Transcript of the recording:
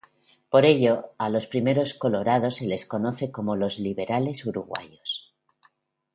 Por ello, a los primeros colorados se los conoce como los liberales uruguayos.